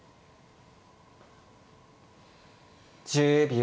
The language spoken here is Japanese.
１０秒。